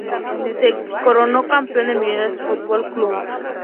Se coronó campeón el Millonarios Fútbol Club.